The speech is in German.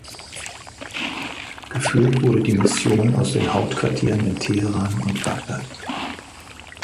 Geführt wurde die Mission aus den Hauptquartieren in Teheran und Bagdad.